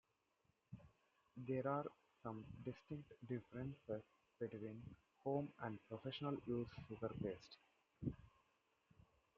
There are some distinct differences between home and professional-use sugar paste.